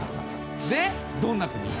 でどんな国？